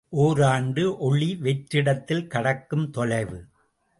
ஓராண்டு ஒளி வெற்றிடத்தில் கடக்கும் தொலைவு.